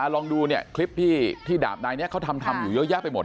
ลองดูนะคลิปที่ดาบน้ายเนี่ยไปทำสระไปหมด